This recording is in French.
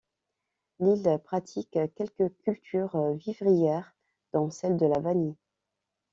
L'île pratique quelques cultures vivrières dont celle de la vanille.